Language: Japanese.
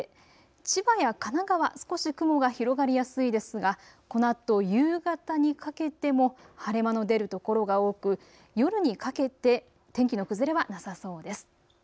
そして午後にかけて千葉や神奈川、少し雲が広がりやすいですがこのあと夕方にかけても晴れ間の出る所が多く夜にかけて天気の崩れはなさそうです。